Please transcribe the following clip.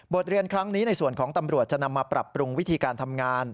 เรียนครั้งนี้ในส่วนของตำรวจจะนำมาปรับปรุงวิธีการทำงาน